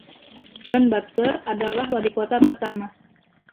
John Butler adalah wali kota pertama.